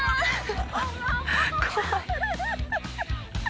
怖い。